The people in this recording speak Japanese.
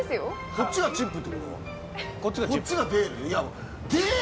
こっちがチップってこと？